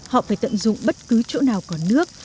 họ phải tận dụng bất cứ chỗ nào có nước